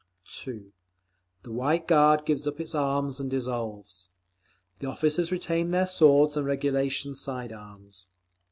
2. The White Guard gives up its arms and dissolves. The officers retain their swords and regulations side arms.